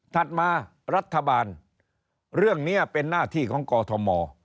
ถัดมารัฐบาลเรื่องนี้เป็นหน้าที่ของกอทม